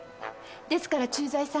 ですから駐在さん。